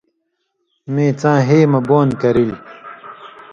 میں څاں ”ہی مہ بُون“ کرئیل۔